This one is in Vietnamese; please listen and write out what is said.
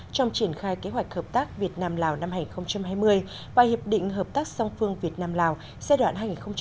trong triển khai kế hoạch hợp tác việt nam lào năm hai nghìn hai mươi và hiệp định hợp tác song phương việt nam lào giai đoạn hai nghìn một mươi sáu hai nghìn hai mươi